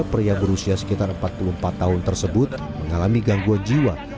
pria berusia sekitar empat puluh empat tahun tersebut mengalami gangguan jiwa